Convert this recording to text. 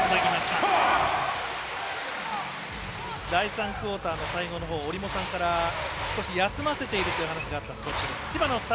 第３クオーターの最後のほう折茂さんから少し休ませているという話がありました。